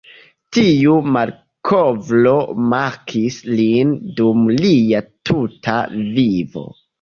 Tiu malkovro markis lin dum lia tuta vivo.